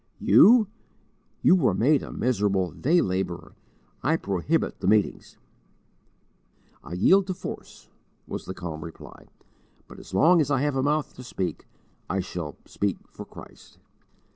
"You? you were made a miserable day labourer; I prohibit the meetings." "I yield to force," was the calm reply, "but as long as I have a mouth to speak I shall speak for Christ."